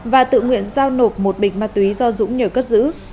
và tự nguyện giao nộp một bịch ma túy do dũng nhờ cất giữ